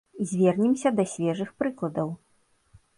Звернемся да свежых прыкладаў.